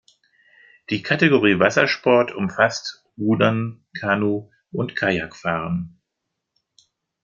Die Kategorie Wassersport umfasst Rudern, Kanu- und Kajakfahren.